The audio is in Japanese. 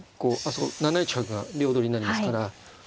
７一角が両取りになりますから。